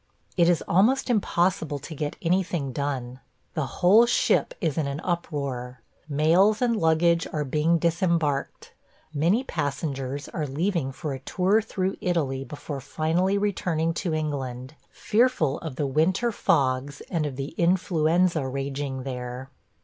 It is almost impossible to get anything done. The whole ship is in an uproar. Mails and luggage are being disembarked. Many passengers are leaving for a tour through Italy before finally returning to England, fearful of the winter fogs and of the influenza raging there.